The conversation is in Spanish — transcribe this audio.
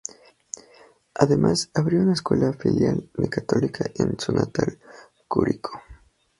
Además, abrió una escuela filial de Católica en su natal Curicó.